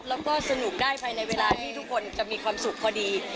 แล้วก็สนุกได้ภายในเวลาที่ทุกคนจะมีความสุขพอดี